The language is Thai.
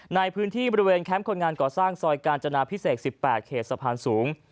ในพื้นที่บริเวณแคมป์คนงานก่อสร้างซอยกาญจนาพิเศษ๑๘เขตสะพานสูง